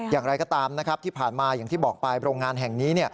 อย่างไรก็ตามนะครับที่ผ่านมาอย่างที่บอกไปโรงงานแห่งนี้